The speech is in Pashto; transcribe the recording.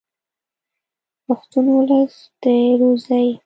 پښتون اولس و روزئ.